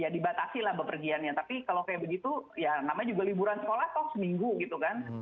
ya dibatasi lah bepergiannya tapi kalau kayak begitu ya namanya juga liburan sekolah toh seminggu gitu kan